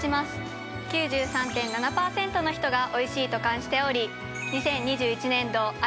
９３．７％の人がおいしいと感じており２０２１年度